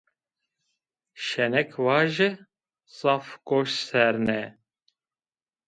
Şenik vaje, zaf goş ser ne